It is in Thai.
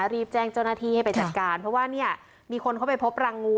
รีบแจ้งเจ้าหน้าที่ให้ไปจัดการเพราะว่าเนี่ยมีคนเข้าไปพบรังงู